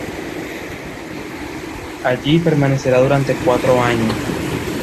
Allí permanecerá durante cuatro años.